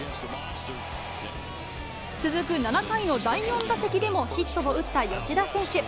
続く７回の第４打席でもヒットを打った吉田選手。